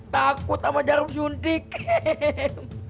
takut sama jarum suntik hehehe